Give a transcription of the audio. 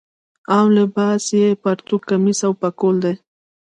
عام لباس یې پرتوګ کمیس او پکول دی.